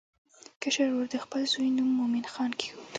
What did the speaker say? کشر ورور د خپل زوی نوم مومن خان کېښود.